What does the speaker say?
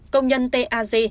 công nhân taz